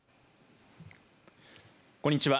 こんにちは。